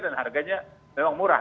dan harganya memang murah